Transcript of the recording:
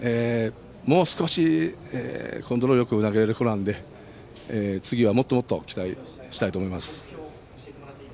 もう少しコントロールよく投げる子なので次はもっともっと期待したいと思います。